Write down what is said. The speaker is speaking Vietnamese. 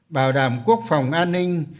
bảo đảm quốc phòng an ninh